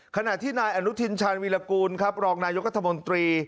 ขณะที่นายอนุทินชาญวีรกูลครับรองนายกัธมนตรี